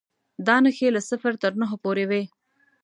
دا نښې له صفر تر نهو پورې وې.